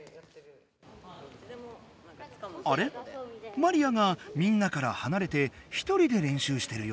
マリアがみんなからはなれてひとりで練習してるよ！